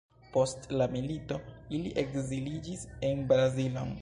Post la milito, ili ekziliĝis en Brazilon.